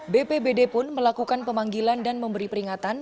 bpbd pun melakukan pemanggilan dan memberi peringatan